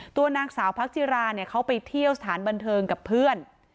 ตัวนางสาวพักจิราเนี่ยเขาไปเที่ยวสถานบันเทิงกับเพื่อน